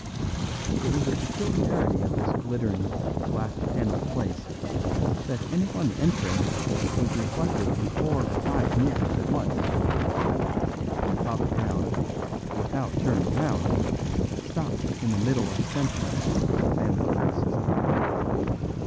It was a peculiarity of this glittering, glass panelled place that anyone entering was reflected in four or five mirrors at once; and Father Brown, without turning round, stopped in the middle of a sentence of family criticism.